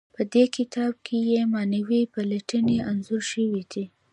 په دې کتاب کې معنوي پلټنې انځور شوي دي.